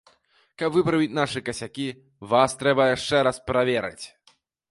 Каб выправіць нашы касякі, вас трэба яшчэ раз праверыць.